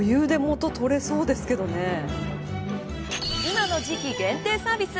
今の時期限定サービス